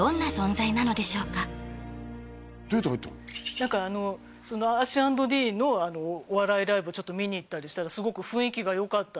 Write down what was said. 何かそのＡＳＨ＆Ｄのお笑いライブをちょっと見にいったりしたらすごく雰囲気がよかった